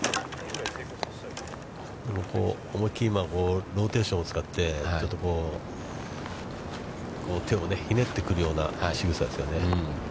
でも、思い切りローテーションを使ってちょっと手をひねってくるようなしぐさですね。